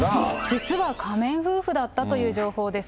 実は仮面夫婦だったという情報です。